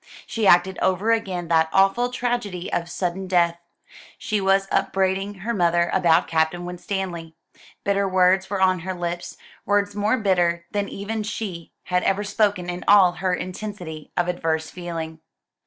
She acted over again that awful tragedy of sudden death. She was upbraiding her mother about Captain Winstanley. Bitter words were on her lips; words more bitter than even she had ever spoken in all her intensity of adverse feeling.